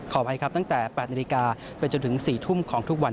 อภัยครับตั้งแต่๘นาฬิกาไปจนถึง๔ทุ่มของทุกวัน